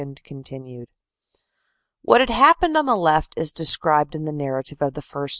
30 ocr. 2. CONTINUED WHAT had happened on the left is described in the nar rative of the 1st.